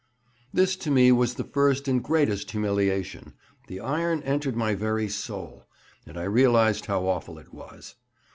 This to me was the first and greatest humiliation; the iron entered my very soul, and I realized how awful it all was.